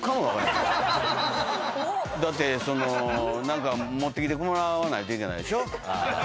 何か持ってきてもらわないといけないでしょ。